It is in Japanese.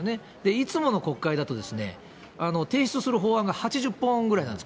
いつもの国会だと、提出する法案が８０本ぐらいなんです。